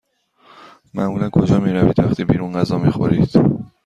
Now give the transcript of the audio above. معمولا کجا می روید وقتی بیرون غذا می خورید؟